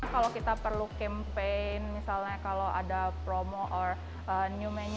kalau kita perlu campaign misalnya